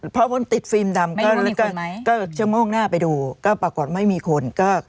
เมื่อติดฟีมดำชั่งโม่งหน้าไปดูก็ปรากฎไม่มีคน